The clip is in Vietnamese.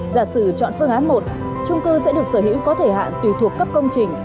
giả sử chọn phương án một trung cư sẽ được sở hữu có thời hạn tùy thuộc cấp công trình